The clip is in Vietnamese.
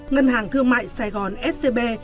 ngân hàng thương mại sài gòn scb